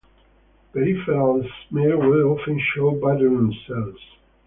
Peripheral smear will often show buttock cells.